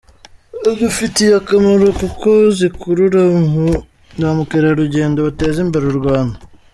Zidufitiye akamaro kuko zikurura ba mukerarugendo bateza imbere u Rwanda.